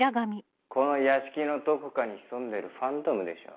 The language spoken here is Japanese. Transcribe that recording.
この屋敷のどこかに潜んでるファントムでしょ。